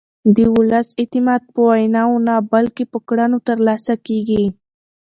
د ولس اعتماد په ویناوو نه بلکې په کړنو ترلاسه کېږي